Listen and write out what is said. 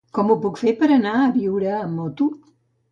Com ho puc fer per anar a Biure amb moto?